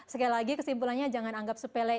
sekali lagi kesimpulannya jangan anggap sepele